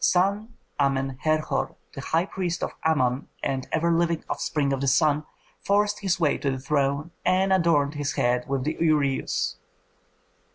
San Amen Herhor, the high priest of Amon and ever living offspring of the sun, forced his way to the throne and adorned his head with the ureus.